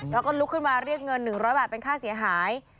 แล้วก็ลุกขึ้นมาเรียกเงิน๑๐๐บาทเป็นค่าเสียหาย